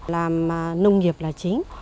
làm nông nghiệp là chính